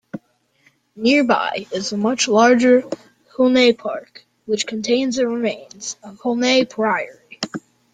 Nearby is the much larger Hulne Park, which contains the remains of Hulne Priory.